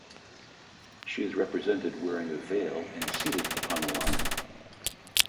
She is represented wearing a veil and seated upon a lion.